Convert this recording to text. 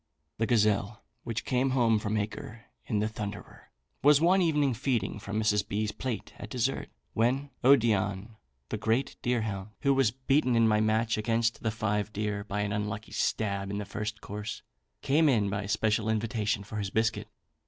"The gazelle which came home from Acre in the Thunderer, was one evening feeding from Mrs. B.'s plate at dessert, when Odion, the great deerhound, who was beaten in my match against the five deer by an unlucky stab in the first course, came in by special invitation for his biscuit.